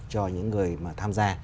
cho những người mà tham gia